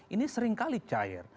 ini sering kali cair